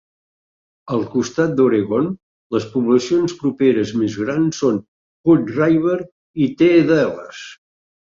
Al costat d'Oregon, les poblacions properes més grans són Hood River i The Dalles.